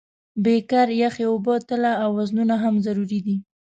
بیکر، یخې اوبه، تله او وزنونه هم ضروري دي.